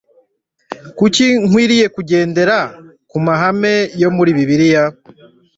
kuki nkwiriye kugendera ku mahame yo muri bibiliya